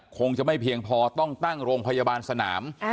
คงจะไม่เพียงพอต้องตั้งโรงพยาบาลสนาม